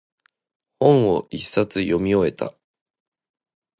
本を一冊読み終えた。